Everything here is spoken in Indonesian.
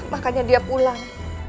makanya dia pulang